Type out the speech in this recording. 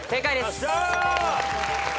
よっしゃ。